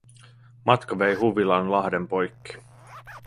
Matka vei huvilan lahden poikki.